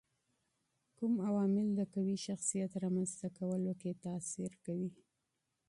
کوم عوامل د قوي شخصيت رامنځته کولو کي تاثیر کوي؟